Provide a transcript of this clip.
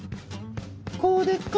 こうでっか？